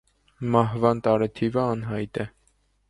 Մահվան տարեթիվը անհայտ է։